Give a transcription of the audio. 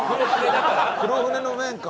黒船の麺か。